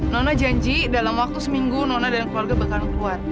nona janji dalam waktu seminggu nona dan keluarga bakal kuat